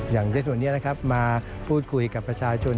อย่างเจ็บส่วนนี้มาพูดคุยกับประชาชน